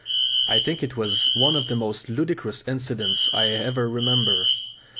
I think it was one of the most ludicrous incidents I ever remember.